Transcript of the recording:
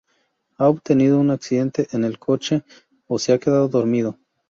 O ha tenido un accidente en el coche o se ha quedado dormido.